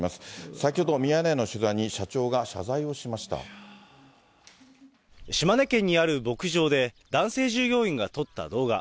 先ほど、ミヤネ屋の取材に社長が島根県にある牧場で、男性従業員が撮った動画。